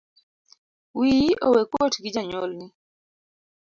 Wiyi owekuot gi janyuolni